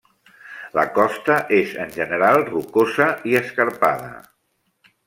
La costa és en general rocosa i escarpada.